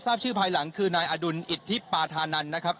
ทราบชื่อภายหลังคือนายอดุลอิทธิปาธานันนะครับ